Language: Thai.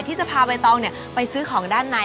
ที่จะพาใบตองไปซื้อของด้านใน